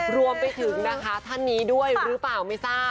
รวมไปถึงนะคะท่านนี้ด้วยหรือเปล่าไม่ทราบ